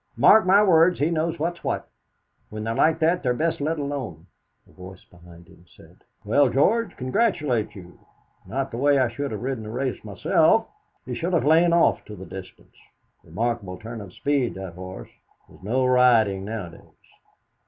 Mark my words, he knows what's what. When they're like that, they're best let alone." A voice behind him said: "Well, George, congratulate you! Not the way I should have ridden the race myself. He should have lain off to the distance. Remarkable turn of speed that horse. There's no riding nowadays!"